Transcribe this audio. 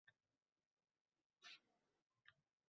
Bu chiqindixona olis bir qishloqning chekka bir hududi emas.